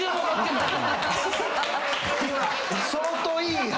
相当いい話。